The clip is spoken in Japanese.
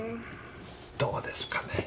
どうですかね？